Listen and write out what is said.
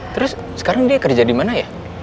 terus sekarang dia kerja dimana ya